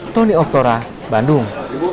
tony oktora bandung